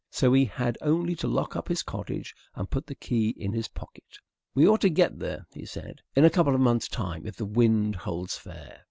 So he had only to lock up his cottage and put the key in his pocket. "We ought to get there," he said, "in a couple of months' time if the wind holds fair."